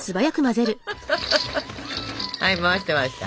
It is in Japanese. はい回して回して。